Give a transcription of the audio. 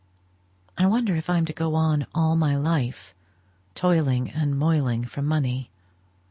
I wonder if I am to go on all my life toiling and moiling for money?